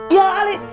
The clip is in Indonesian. iya lah ali